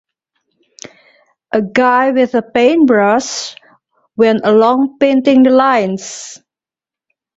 A guy with a paintbrush went along painting the lines.